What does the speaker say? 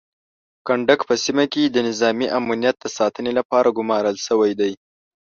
کنډک په سیمه کې د نظامي امنیت د ساتنې لپاره ګمارل شوی دی.